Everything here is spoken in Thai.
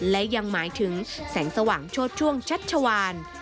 และยังหมายถึงแสงสว่างโชดช่วงชัดชวาน